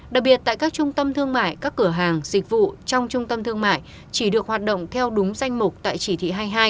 đặc biệt tại các trung tâm thương mại các cửa hàng dịch vụ trong trung tâm thương mại chỉ được hoạt động theo đúng danh mục tại chỉ thị hai mươi hai